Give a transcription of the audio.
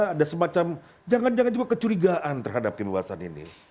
ada semacam jangan jangan juga kecurigaan terhadap kebebasan ini